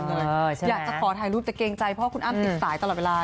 อยากจะขอถ่ายรูปแต่เกรงใจเพราะคุณอ้ำติดสายตลอดเวลา